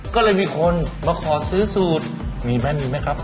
ก็เลยมีคนมาขอซื้อสูตรมีแม่นมีไหมครับ